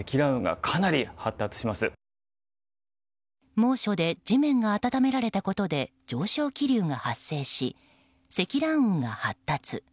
猛暑で地面が暖められたことで上昇気流が発生し積乱雲が発達。